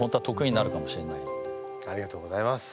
ありがとうございます。